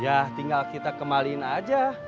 ya tinggal kita kenalin aja